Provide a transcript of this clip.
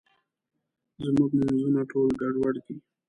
زموږ مونځونه ټول ګډوډ دي.